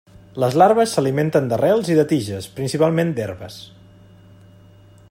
Les larves s'alimenten d'arrels i de tiges, principalment d'herbes.